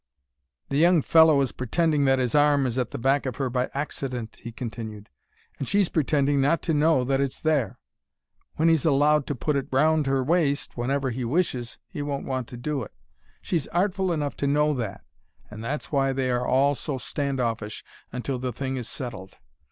"The young fellow is pretending that his arm is at the back of her by accident," he continued; "and she's pretending not to know that it's there. When he's allowed to put it round 'er waist whenever he wishes, he won't want to do it. She's artful enough to know that, and that's why they are all so stand offish until the thing is settled.